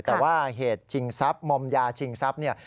แต่ว่าเหตุชิงทรัพย์มอมยาชิงทรัพย์เนี่ย